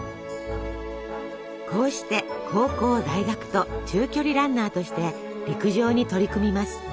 こうして高校・大学と中距離ランナーとして陸上に取り組みます。